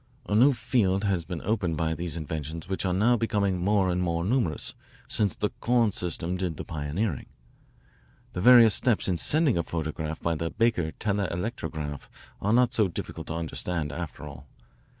A new field has been opened by these inventions which are now becoming more and more numerous, since the Korn system did the pioneering. "The various steps in sending a photograph by the Baker telelectrograph are not so difficult to understand, after all.